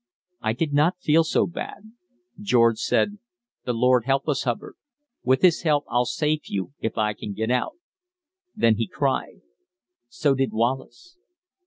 I did not feel so bad. George said: 'The Lord help us, Hubbard. With His help I'll save you if I can get out.' Then he cried. So did Wallace.